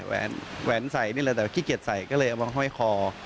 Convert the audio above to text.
แหวนใส่นี่แหละแต่ขี้เกียจใส่ก็เลยเอามาห้อยคอ